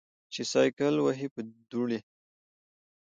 چې سایکل وهې په دوړې.